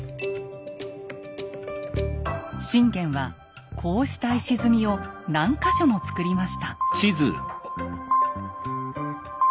信玄はこうした石積みを何か所も造りました。